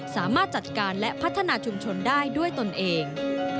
สามารถจัดการและพัฒนาชุมชนได้ด้วยตนเอง